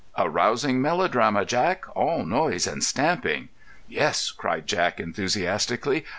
"A rousing melodrama, Jack! All noise and stamping." "Yes," cried Jack, enthusiastically.